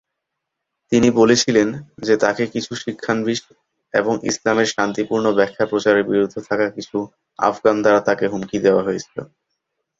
তিনি বলেছিলেন যে তাকে কিছু শিক্ষানবিশ এবং ইসলামের শান্তিপূর্ণ ব্যাখ্যা প্রচারের বিরুদ্ধে থাকা কিছু আফগান দ্বারা তাকে হুমকি দেওয়া হয়েছিল।